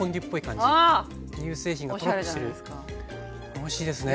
おいしいですね。